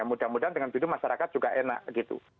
mudah mudahan dengan bidu masyarakat juga enak gitu